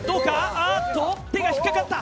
あーっと手が引っかかった